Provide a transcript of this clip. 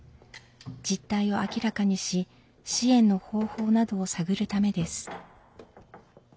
実態を明らかにし支援の方法などを探るためです。